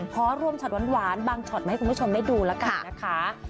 ขอรวมช็อตหวานบางช็อตมาให้คุณผู้ชมได้ดูแล้วกันนะคะ